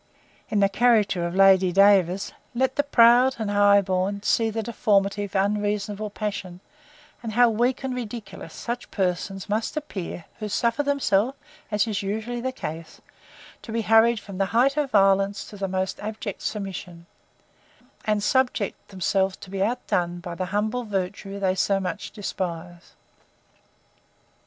In the character of Lady DAVERS, let the proud, and the high born, see the deformity of unreasonable passion, and how weak and ridiculous such persons must appear, who suffer themselves, as is usually the case, to be hurried from the height of violence, to the most abject submission; and subject themselves to be outdone by the humble virtue they so much despise.